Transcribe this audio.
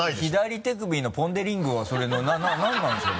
左手首のポン・デ・リングはそれはなんなの？